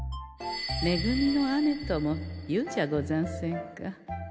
めぐみの雨ともいうじゃござんせんか。